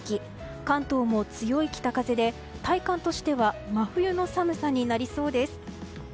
関東も強い北風で体感としては真冬の寒さになりそうです。